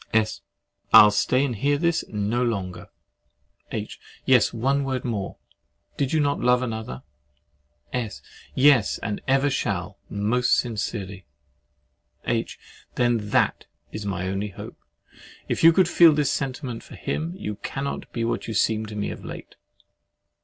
S. I'll stay and hear this no longer. H. Yes, one word more. Did you not love another? S. Yes, and ever shall most sincerely. H. Then, THAT is my only hope. If you could feel this sentiment for him, you cannot be what you seem to me of late.